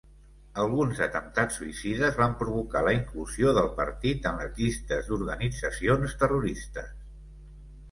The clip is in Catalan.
Alguns atemptats suïcides van provocar la inclusió del partit en les llistes d'organitzacions terroristes.